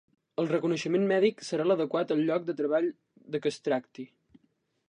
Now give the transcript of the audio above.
El reconeixement mèdic serà l'adequat al lloc de treball de què es tracti.